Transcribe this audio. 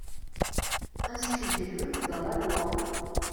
Inscrivez-le dans la loi